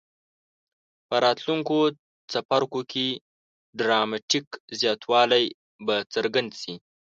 په راتلونکو څپرکو کې ډراماټیک زیاتوالی به څرګند شي.